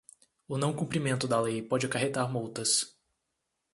O não cumprimento da lei pode acarretar multas.